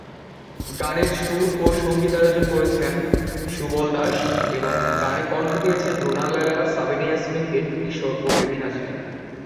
গানের সুর ও সঙ্গীতায়োজন করেছেন সুবল দাস এবং গানে কণ্ঠ দিয়েছেন রুনা লায়লা, সাবিনা ইয়াসমিন, এন্ড্রু কিশোর, ও বেবী নাজনীন।